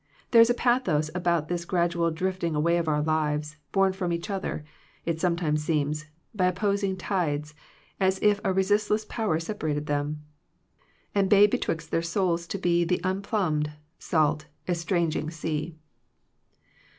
There is a pathos about this gradual drift ing away of lives, borne from each other, it sometimes seems, by opposing tides, as if a resistless power separated them, And bade betwixt their souls to be The unplumbed, salt, estranging sea.